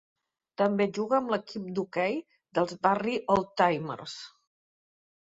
També juga amb l'equip d'hoquei dels Barrie Oldtimers.